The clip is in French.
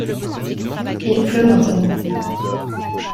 Il pleut maintenant.